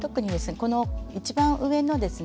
この一番上のですね